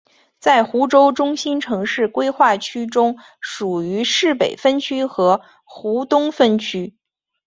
在湖州中心城市规划区中属于市北分区和湖东分区。